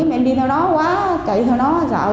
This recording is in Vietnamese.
em sợ mình bốn mươi bảy đi đâu đó quá chạy ra nóul